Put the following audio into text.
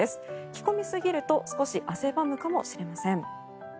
着込みすぎると少し汗ばむかもしれません。